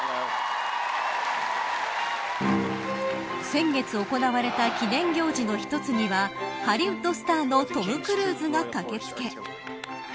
先月行われた記念行事の一つにはハリウッドスターのトム・クルーズが駆け付け。